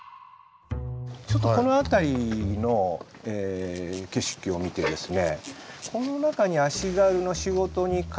ちょっとこの辺りの景色を見てこの辺りですか。